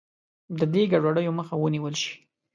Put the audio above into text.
د دې ګډوډیو مخه ونیول شي.